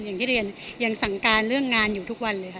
อย่างที่เรียนยังสั่งการเรื่องงานอยู่ทุกวันเลยค่ะ